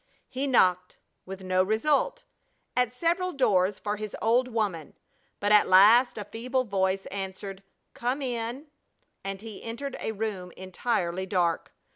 He knocked, with no result, at several doors for his old woman, but at last a feeble voice answered: "Come in," and he entered a room entirely dark.